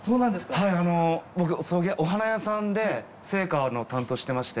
はい僕お花屋さんで生花の担当してまして。